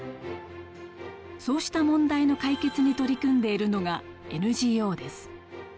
そうした問題の解決に取り組んでいるのがＮＧＯです。